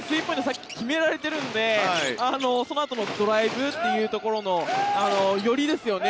さっき決められているのでそのあとのドライブというところの寄りですよね。